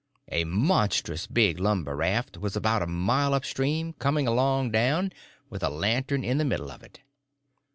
A monstrous big lumber raft was about a mile up stream, coming along down, with a lantern in the middle of it.